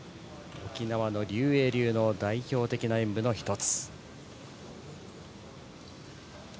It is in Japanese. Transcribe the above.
沖縄の劉衛流の代表的な演武の１つ。